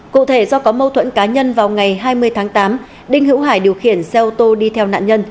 cụ thể do có mâu thuẫn cá nhân vào ngày hai mươi tháng tám đinh hữu hải điều khiển xe ô tô đi theo nạn nhân